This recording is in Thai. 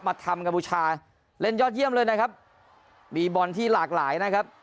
ทำกัมพูชาเล่นยอดเยี่ยมเลยนะครับมีบอลที่หลากหลายนะครับ